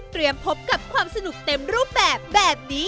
พบกับความสนุกเต็มรูปแบบแบบนี้